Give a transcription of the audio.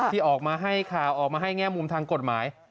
ที่ออกมาให้ข่าวออกมาให้แง่มุมทางกฎหมาย